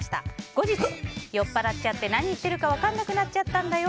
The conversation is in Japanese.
後日、酔っ払っちゃって何言ってるか分からなくなっちゃったんだよ